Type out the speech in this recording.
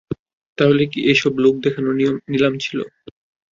তাহলে কি এই সব লোক দেখানো নিলাম ছিল?